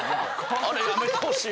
あれやめてほしい。